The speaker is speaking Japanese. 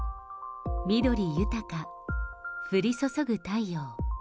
緑豊か、降り注ぐ太陽。